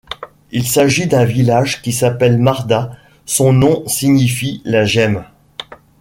Il s’agit d’un village qui s’appelle Marda, son nom signifie la gemme.